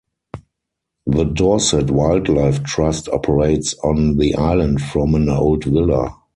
The Dorset Wildlife Trust operates on the island from an old villa.